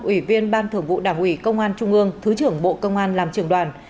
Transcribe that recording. ủy viên ban thưởng vụ đảng ủy công an trung ương thứ trưởng bộ công an làm trường đoàn